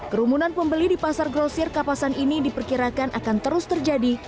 kerumunan pembeli di pasar grosir kapasan ini diperkirakan akan terus terjadi